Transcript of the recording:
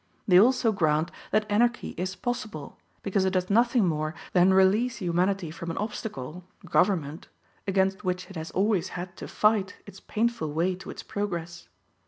They also grant that Anarchy is possible, because it does nothing more than release humanity from an obstacle government against which it has always had to fight its painful way towards progress.